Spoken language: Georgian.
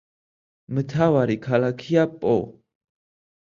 მთავარი ქალაქია პო.